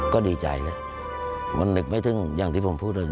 ก็ดีใจไงมันนึกไม่ถึงอย่างที่ผมพูดเลย